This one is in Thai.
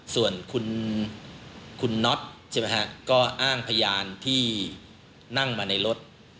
ส่วนคุณนดก็อ้างพยานที่นั่งมาในรถ